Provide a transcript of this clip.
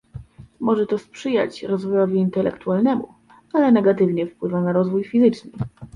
Może to sprzyjać rozwojowi intelektualnemu, ale negatywnie wpływa na rozwój fizyczny